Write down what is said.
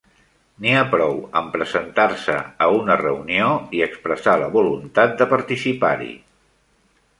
N'hi ha prou amb presentar-se a una reunió i expressar la voluntat de participar-hi.